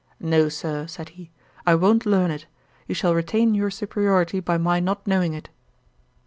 'No, Sir (said he,) I won't learn it. You shall retain your superiority by my not knowing it.'